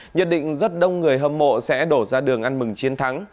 nhận định rất đông người hâm mộ sẽ đổ ra đường ăn mừng chiến thắng